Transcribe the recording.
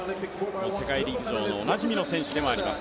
世界陸上のおなじみの選手でもあります。